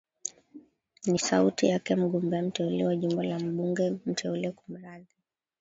m ni sauti yake mgombea mteulewa jimbo la mbunge mteule kumradhi